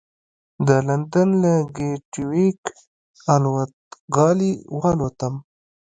د لندن له ګېټوېک الوتغالي والوتم.